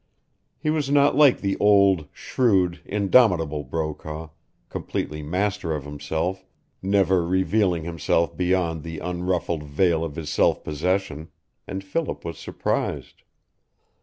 He was not like the old, shrewd, indomitable Brokaw, completely master of himself, never revealing himself beyond the unruffled veil of his self possession, and Philip was surprised.